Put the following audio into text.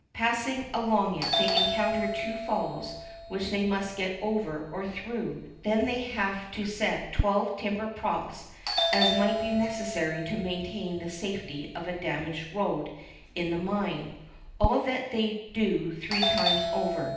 Passing along it, they encounter two falls, which they must get over or through; then they have to set twelve timber props as might be necessary to maintain the safety of a damaged road in the mine; all that they do three times over.